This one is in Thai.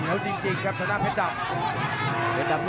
อื้อหือจังหวะขวางแล้วพยายามจะเล่นงานด้วยซอกแต่วงใน